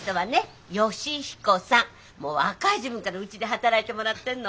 もう若い時分からうちで働いてもらってんの。